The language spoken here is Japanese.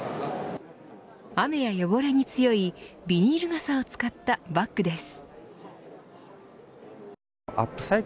雨や汚れに強いビニール傘を使ったバッグです。